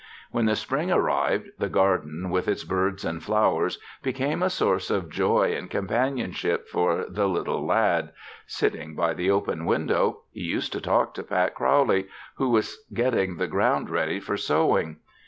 When the spring arrived the garden, with its birds and flowers, became a source of joy and companionship for the little lad. Sitting by the open window, he used to talk to Pat Crowley, who was getting the ground ready for sowing.